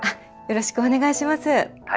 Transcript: よろしくお願いします。